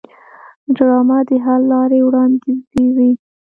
ډرامه د حل لارې وړاندیزوي